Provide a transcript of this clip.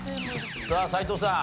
さあ斎藤さん。